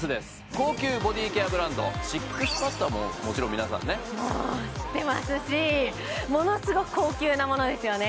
高級ボディーケアブランドＳＩＸＰＡＤはもうもちろん皆さんねもう知ってますしものすごく高級なものですよね